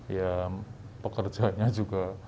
ya pekerjanya juga